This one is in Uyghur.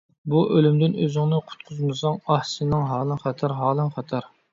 بۇ ئۆلۈمدىن ئۆزۈڭنى قۇتقۇزمىساڭ، ئاھ، سېنىڭ ھالىڭ خەتەر، ھالىڭ خەتەر.